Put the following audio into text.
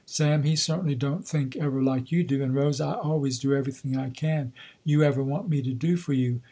Sam he certainly don't think ever like you do, and Rose I always do everything I can, you ever want me to do for you."